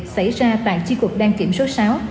xảy ra tại chi cục đăng kiểm số sáu